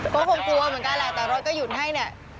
ก็คงกลัวเหมือนกันแหละแต่รถก็หยุดให้เนี่ย